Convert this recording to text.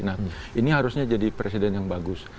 nah ini harusnya jadi presiden yang bagus